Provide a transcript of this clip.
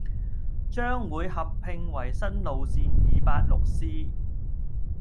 將會合併為新路線二八六 C，